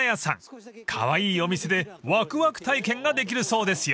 ［カワイイお店でワクワク体験ができるそうですよ］